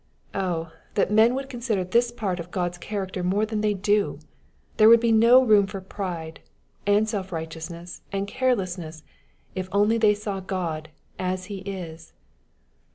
Oh ! that men would consider this part of God's character more than they do ! There would be no room for pride, and self righteousness, and carelessness, if they only saw God " as He is."